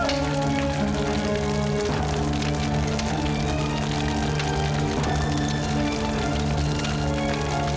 aminah kamu cepetan dikit dong